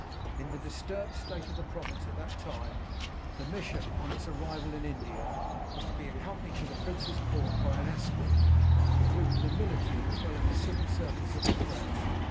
In the disturbed state of the province at that time, the mission, on its arrival in India, was to be accompanied to the prince's court by an escort, including the military as well as the civil servants of the crown.